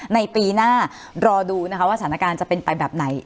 ในปีหน้ารอดูนะคะว่าสถานการณ์จะเป็นไปแบบไหน